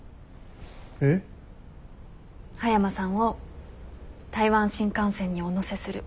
葉山さんを台湾新幹線にお乗せする。